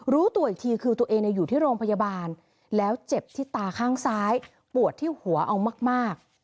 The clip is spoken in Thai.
รู้ตัวอีกทีคือตัวเองอยู่ที่โรงพยาบาลแล้วเจ็บที่ตาข้างซ้ายปวดที่หัวเอามาก